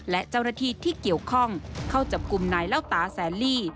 และเจ้าหน้าที่ที่เกี่ยวข้องเข้าจับกลุ่มนายเล่าตาแสนลี่